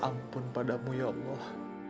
aku minta kebaikan ya allah